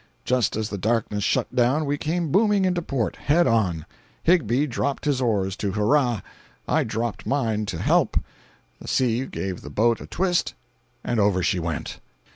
Just as the darkness shut down we came booming into port, head on. Higbie dropped his oars to hurrah—I dropped mine to help—the sea gave the boat a twist, and over she went!